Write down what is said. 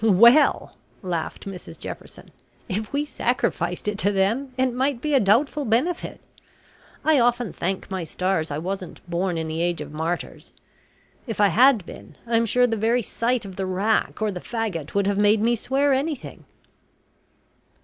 "Well," laughed Mrs Jefferson, "if we sacrificed it to them, it might be a doubtful benefit. I often thank my stars I wasn't born in the age of martyrs. If J. had been, I'm sure the very sight of the rack or the faggot would have made me swear anything."